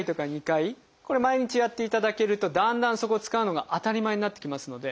これを毎日やっていただけるとだんだんそこを使うのが当たり前になってきますので。